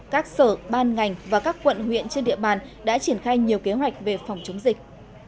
các sở ban ngành và các quận huyện trên địa bàn đã triển khai nhiều kế hoạch về phòng chống dịch